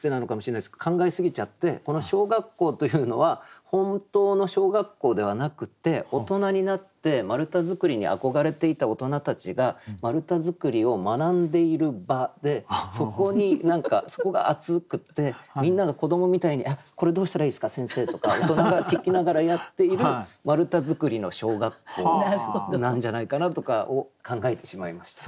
考え過ぎちゃってこの「小学校」というのは本当の小学校ではなくって大人になって丸太造りに憧れていた大人たちが丸太造りを学んでいる場でそこに何かそこが暑くってみんなが子どもみたいに「えっこれどうしたらいいですか先生」とか大人が聞きながらやっている「丸太造りの小学校」なんじゃないかなとか考えてしまいました。